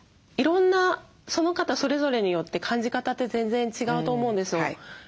いろんなその方それぞれによって感じ方って全然違うと思うんですよ。